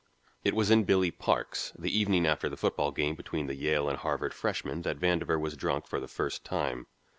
It was in Billy Park's the evening after the football game between the Yale and Harvard freshmen that Vandover was drunk for the first time.